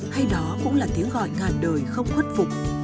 hay đó cũng là tiếng gọi ngàn đời không khuất phục